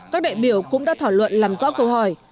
các đại biểu cũng đã thảo luận làm rõ câu hỏi